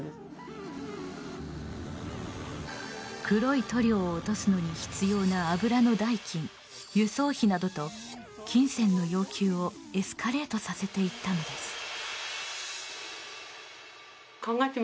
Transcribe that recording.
黒い塗料を落とすのに必要な油の代金、輸送費などと金銭の要求をエスカレートさせていったのです。